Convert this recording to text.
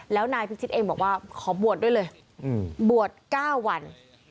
แล้วนายพิชิตเองบอกว่าขอบวชด้วยเลยบวช๙วัน